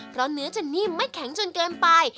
เพราะเนื้อจะนิ่มไม่แข็งจนเกินไป